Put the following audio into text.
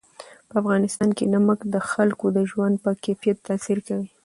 په افغانستان کې نمک د خلکو د ژوند په کیفیت تاثیر کوي.